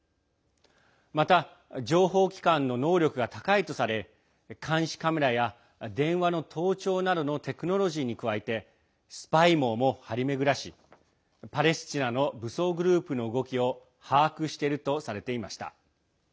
また情報機関の能力が高いとされ監視カメラや電話の盗聴などのテクノロジーに加えてスパイ網も張り巡らしパレスチナの武装グループの動きを把握しているとされています。